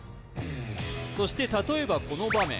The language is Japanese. そして例えばこの場面